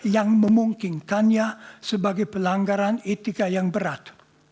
yang memungkinkannya sebagai pelanggaran etika yang berat